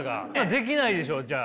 できないでしょじゃあ。